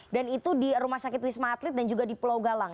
dan itu di rumah sakit wisma atlet dan juga di pulau galang